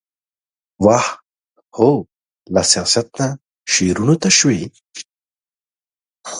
واه ! هو له سياست نه شعرونو ته شوې ،